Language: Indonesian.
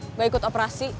nggak ikut operasi